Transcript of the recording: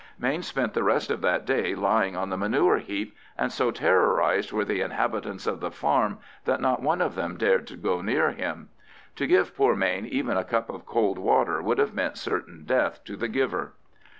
Mayne spent the rest of that day lying on the manure heap, and so terrorised were the inhabitants of the farm that not one of them dared go near him. To give poor Mayne even a cup of cold water would have meant certain death to the giver.